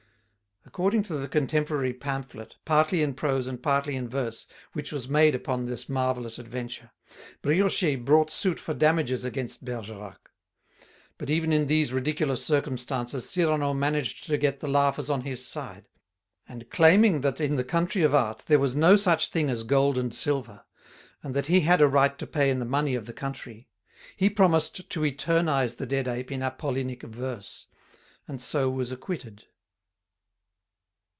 According to the contemporary pamphlet, partly in prose and partly in verse, which was made upon this marvellous adventure, Brioché brought suit for damages against Bergerac. But even in these ridiculous circumstances Cyrano managed to get the laughers on his side; and claiming that in the country of art there was no such thing as gold and silver, and that he had a right to pay in the money of the country, he promised to eternize the dead ape in Apollinic verse; and so was acquitted.